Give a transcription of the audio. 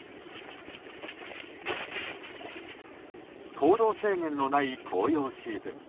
行動制限のない紅葉シーズン。